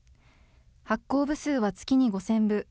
発行部数は月に５０００部。